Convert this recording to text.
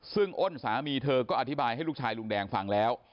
ซึ่งอ้นสามีเธอก็อธิบายให้ลูกชายลุงแดงฟังแล้ว